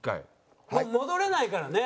戻れないからね。